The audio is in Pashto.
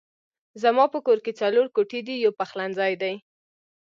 زما په کور کې څلور کوټې دي يو پخلنځی دی